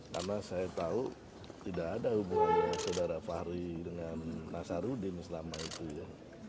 karena saya tahu tidak ada hubungannya saudara fahri dengan nasarudin selama itu ya